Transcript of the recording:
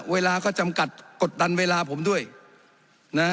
เวลาก็จำกัดกดดันเวลาผมด้วยนะ